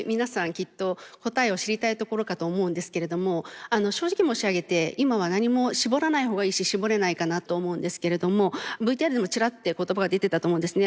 きっと答えを知りたいところかと思うんですけれども正直申し上げて今は何も絞らない方がいいし絞れないかなと思うんですけれどもＶＴＲでもチラッて言葉が出てたと思うんですね。